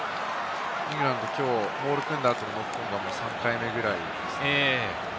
イングランド、きょう、モールを組んだ後のノックオンが３回くらいあります。